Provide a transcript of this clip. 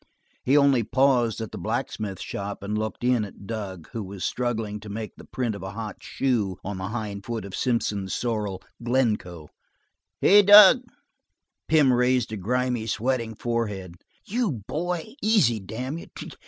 He only paused at the blacksmith shop and looked in at Dug, who was struggling to make the print of a hot shoe on a hind foot of Simpson's sorrel Glencoe. "Hey, Dug!" Pym raised a grimy, sweating forehead. "You, boy; easy, damn you!